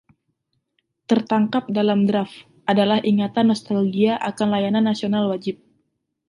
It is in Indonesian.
"Tertangkap dalam Draft" adalah ingatan nostalgia akan layanan nasional wajib.